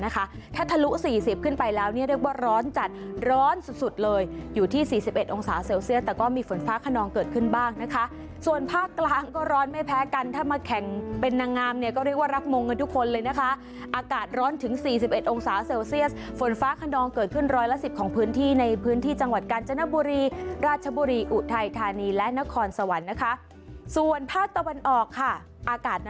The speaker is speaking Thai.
ก็มีฝนฟ้าขนองเกิดขึ้นบ้างนะคะส่วนภาคกลางก็ร้อนไม่แพ้กันถ้ามาแข่งเป็นนางงามเนี่ยก็เรียกว่ารักมงกันทุกคนเลยนะคะอากาศร้อนถึง๔๑องศาเซลเซียสฝนฟ้าขนองเกิดขึ้นร้อยละ๑๐ของพื้นที่ในพื้นที่จังหวัดกันจนบุรีราชบุรีอุไทยธานีและนครสวรรค์นะคะส่วนภาคตะวันออกค่ะอากา